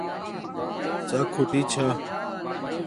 ڎک ہوٹی چھا